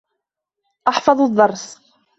أَحْفَظُ الدَّرْسَ.